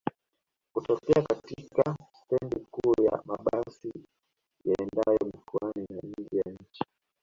kutokea katika stendi kuu ya mabasi yaendayo mikoani na nje ya nchi